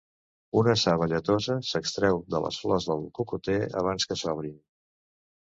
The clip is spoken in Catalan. Una saba lletosa s'extreu de les flors del cocoter abans que s'obrin.